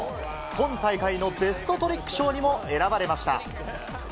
今大会のベストトリック賞にも選ばれました。